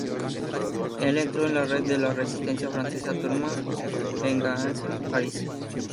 Él entró en la red de la Resistencia francesa "Turma Vengeance", en París.